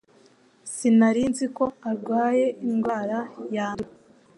Sinari nzi ko arwaye indwara yandura.